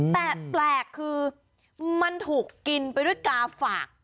แต่แปลกคือมันถูกกินไปด้วยกาฝาก